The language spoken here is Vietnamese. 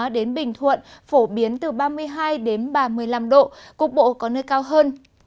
đến bình thuận phổ biến từ ba mươi hai ba mươi năm độ cục bộ có nơi cao hơn